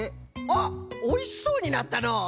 あっおいしそうになったのう。